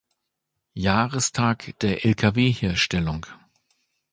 Jahrestag der Lkw-Herstellung.